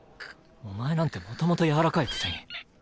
お前なんてもともと柔らかいくせに。